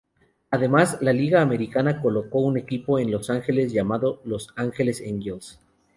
Además, la Liga Americana colocó un equipo en Los Ángeles llamado Los Angeles Angels.